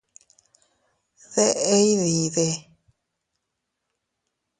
¿Deʼe iydide?